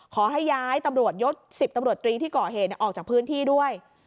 ขอให้ย้ายตำรวจยศ๑๐ตำรวจตรีที่ก่อเหตุออกจากพื้นที่ด้วย